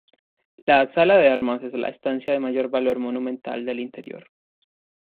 La Sala de Armas es la estancia de mayor valor monumental del interior.